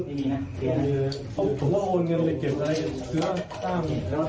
แล้วก็คนที่ไหนคนประหลำบูรณ์